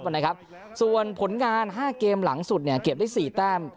นะครับส่วนผลงาน๕เกมหลังสุดเนี่ยเก็บได้๔แต้ม